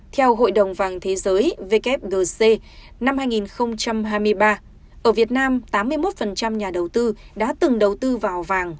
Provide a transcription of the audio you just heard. theo hội đồng vàng thế giới wgc năm hai nghìn hai mươi ba ở việt nam tám mươi một nhà đầu tư đã từng đầu tư vào vàng